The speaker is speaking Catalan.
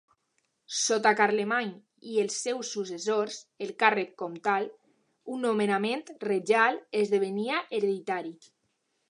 Sota Carlemany i els seus successors el càrrec comtal, un nomenament reial, esdevenia hereditari.